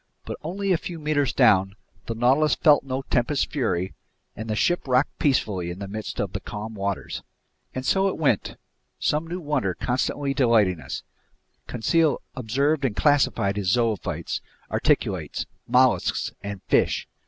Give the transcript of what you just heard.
But only a few meters down, the Nautilus felt no tempest's fury, and the ship rocked peacefully in the midst of the calm waters. And so it went, some new wonder constantly delighting us. Conseil observed and classified his zoophytes, articulates, mollusks, and fish.